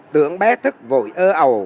tưởng bé thức vội ơ ầu